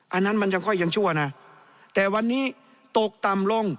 อันนั้นมันยังค่อยยังชั่วนะแต่วันนี้ตกต่ำลง